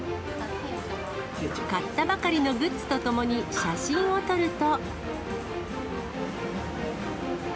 買ったばかりのグッズとともに写真を撮ると。